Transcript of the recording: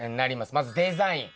まずデザイン。